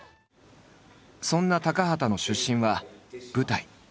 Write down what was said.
そんな高畑の出身は舞台。